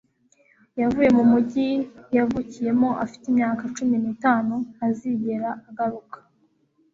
yavuye mu mujyi yavukiyemo afite imyaka cumi n'itanu ntazigera agaruka